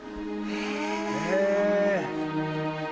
へえ。